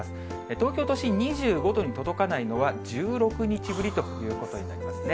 東京都心、２５度に届かないのは１６日ぶりということになりますね。